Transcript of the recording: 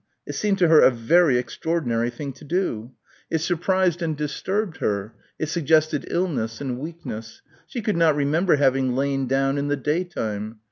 It seemed to her a very extraordinary thing to do. It surprised and disturbed her. It suggested illness and weakness. She could not remember having lain down in the day time.